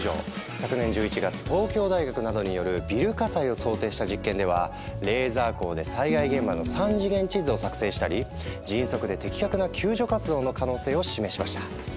昨年１１月東京大学などによるビル火災を想定した実験ではレーザー光で災害現場の３次元地図を作成したり迅速で的確な救助活動の可能性を示しました。